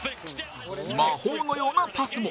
魔法のようなパスも